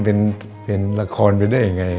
เล่นเป็นละครเป็นได้ยังไง